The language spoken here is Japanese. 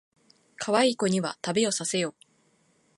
かわいい子には旅をさせよ